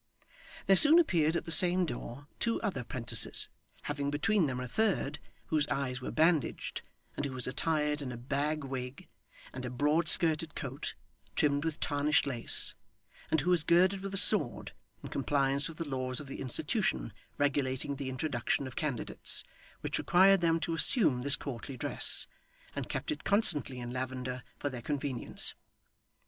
There soon appeared at the same door, two other 'prentices, having between them a third, whose eyes were bandaged, and who was attired in a bag wig, and a broad skirted coat, trimmed with tarnished lace; and who was girded with a sword, in compliance with the laws of the Institution regulating the introduction of candidates, which required them to assume this courtly dress, and kept it constantly in lavender, for their convenience.